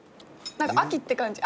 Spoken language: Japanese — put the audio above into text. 何か秋って感じ。